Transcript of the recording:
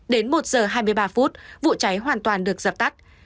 đến một giờ hai mươi ba phút vụ cháy hoàn toàn được dập tắt